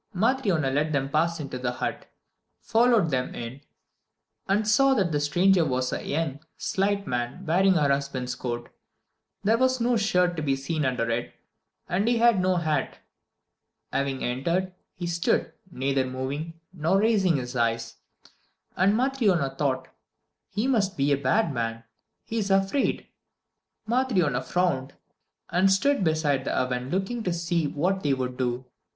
Matryona let them pass into the hut, followed them in, and saw that the stranger was a young, slight man, wearing her husband's coat. There was no shirt to be seen under it, and he had no hat. Having entered, he stood, neither moving, nor raising his eyes, and Matryona thought: "He must be a bad man he's afraid." Matryona frowned, and stood beside the oven looking to see what they would do.